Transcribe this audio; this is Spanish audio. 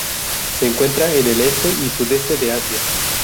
Se encuentra en el este y sudeste de Asia.